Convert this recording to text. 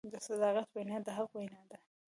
د صداقت وینا د حق وینا ده.